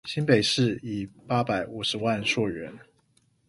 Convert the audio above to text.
新北市以八百五十萬溯源